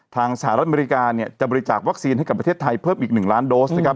สหรัฐอเมริกาเนี่ยจะบริจาควัคซีนให้กับประเทศไทยเพิ่มอีก๑ล้านโดสนะครับ